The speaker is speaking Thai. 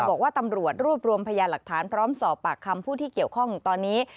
บอกว่าตำรวจรวบรวมพยานหลักฐานพร้อมสอบปากคำผู้ที่เกี่ยวข้องตอนนี้